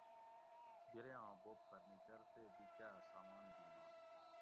بِرے آں بوب فرنیچر تے دی کاٞ سامان گِناں